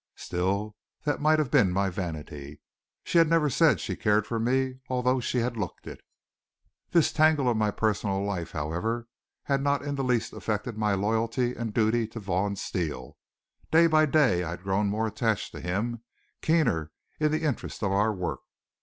Still that might have been my vanity. She had never said she cared for me although she had looked it. This tangle of my personal life, however, had not in the least affected my loyalty and duty to Vaughn Steele. Day by day I had grown more attached to him, keener in the interest of our work.